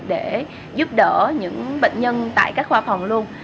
để giúp đỡ những bệnh nhân tại các khoa phòng luôn